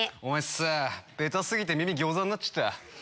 お前さぁベタ過ぎて耳餃子になっちった。